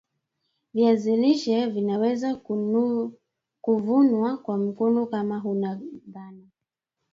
viazi lishe vinaweza kuvunwa kwa mkono kama huna dhana